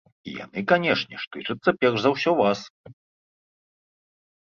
І яны, канешне ж, тычацца перш за ўсё вас.